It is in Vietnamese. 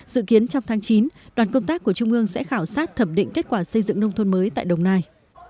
dự kiến trong tháng chín đoàn công tác của trung ương sẽ khảo sát thẩm định kết quả xây dựng nông thôn mới tại đồng nai